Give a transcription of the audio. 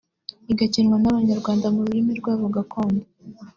igakinwa n’abanyarwanda mu rurimi rwabo gakondo